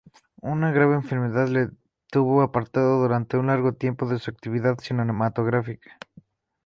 Una grave enfermedad le tuvo apartado durante un largo tiempo de su actividad cinematográfica.